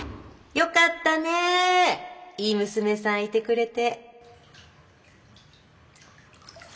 よかったねいい娘さんいてくれて。